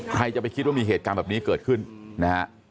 ใครจะไปคิดว่ามีเหตุการณ์แบบนี้เกิดขึ้นนะฮะ